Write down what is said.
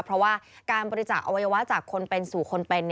เพราะว่าการบริจาคอวัยวะจากคนเป็นสู่คนเป็น